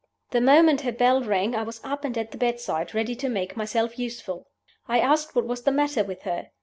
"The moment her bell rang I was up and at the bedside, ready to make myself useful. "I asked what was the matter with her.